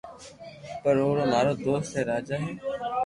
پر اورو مارو دوست اي راجا ھي